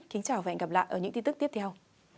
kính chào và hẹn gặp lại ở những tin tức tiếp theo